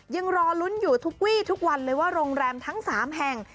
ยังรอลุ้นอยู่ทุกวี่ทุกวันเลยว่าโรงแรมทั้ง๓แห่ง